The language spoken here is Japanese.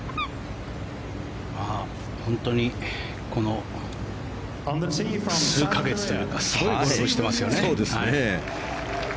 本当にこの数か月というかすごいことしてますよね。